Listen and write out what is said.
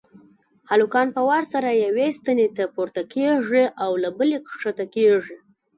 هلکان په وار سره یوې ستنې ته پورته کېږي او له بلې کښته کېږي.